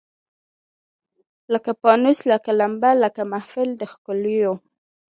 لکه پانوس لکه لمبه لکه محفل د ښکلیو